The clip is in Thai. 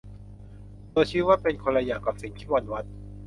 ตัวชี้วัดเป็นคนละอย่างกับสิ่งที่มันวัด